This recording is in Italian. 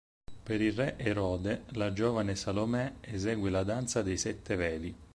Per il re Erode, la giovane Salomè esegue la danza dei sette veli.